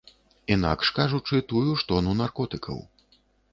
Інакш кажучы, тую ж тону наркотыкаў.